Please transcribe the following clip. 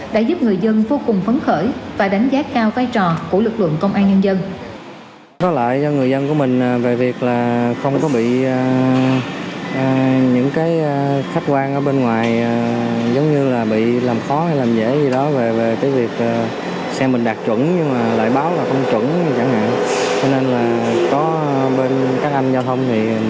đã giúp người dân vô cùng phấn khởi và đánh giá cao các chiến sĩ cảnh sát giao thông